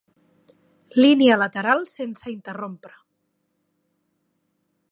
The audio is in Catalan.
Línia lateral sense interrompre.